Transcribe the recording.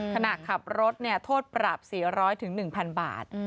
ขนาดขับรถเนี่ยโทษปรับ๔๐๐ถึง๑๐๐๐บาท